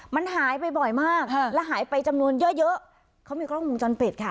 มันหายไปบ่อยมากและหายไปจำนวนเยอะเยอะเขามีกล้องวงจรปิดค่ะ